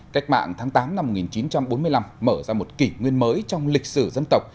cách mạng tháng tám năm một nghìn chín trăm bốn mươi năm mở ra một kỷ nguyên mới trong lịch sử dân tộc